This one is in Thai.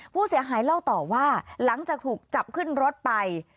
ผู้เสียหายเล่าต่อว่าหลังจากถูกจับขึ้นรถไป